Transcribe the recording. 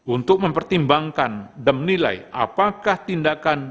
untuk mempertimbangkan dan menilai apakah tindakan